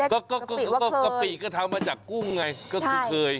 ก็กะปิก็ทำมาจากกุ้งไงก็คือเคย